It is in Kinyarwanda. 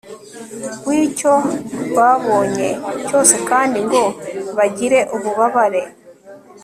wicyo babonye cyose kandi ngo bagire ububabare